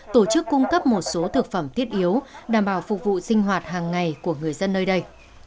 tổ chức cung cấp một số thực phẩm thiết yếu đảm bảo phục vụ sinh hoạt hàng ngày của người dân nơi đây